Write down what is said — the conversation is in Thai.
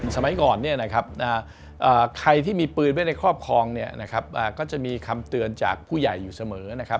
สมัยก่อนใครที่มีปืนไว้ในครอบครองก็จะมีคำเตือนจากผู้ใหญ่อยู่เสมอ